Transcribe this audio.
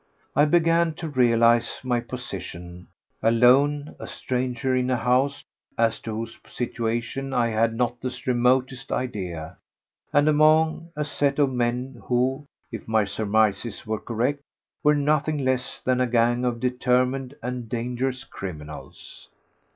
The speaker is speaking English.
I began to realise my position—alone, a stranger in a house as to whose situation I had not the remotest idea, and among a set of men who, if my surmises were correct, were nothing less than a gang of determined and dangerous criminals.